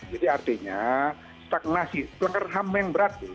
jadi artinya stagnasi pelanggaran ham yang berat